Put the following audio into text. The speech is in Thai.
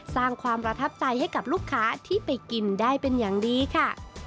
สร้างความประทับใจให้กับลูกค้าที่ไปกินได้เป็นอย่างดีค่ะ